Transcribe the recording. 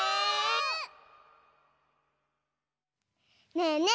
ねえねえ！